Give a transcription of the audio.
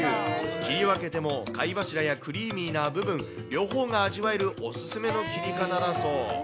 切り分けても貝柱やクリーミーな部分、両方が味わえるお勧めの切り方だそう。